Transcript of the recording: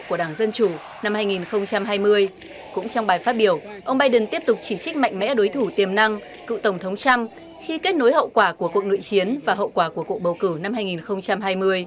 của đảng dân chủ năm hai nghìn hai mươi cũng trong bài phát biểu ông biden tiếp tục chỉ trích mạnh mẽ đối thủ tiềm năng cựu tổng thống trump khi kết nối hậu quả của cuộc nội chiến và hậu quả của cuộc bầu cử năm hai nghìn hai mươi